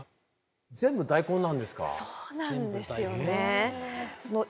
全部大根なんですか？